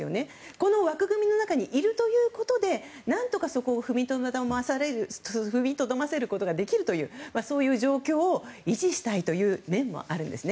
この枠組みの中にいるということで何とか、そこを踏みとどまらせることができるというそういう状況を維持したいという面もあるんですね。